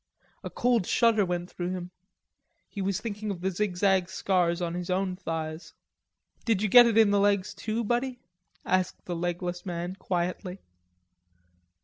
A cold shudder went through him; he was thinking of the zigzag scars on his own thighs. "Did you get it in the legs, too, Buddy?" asked the legless man, quietly.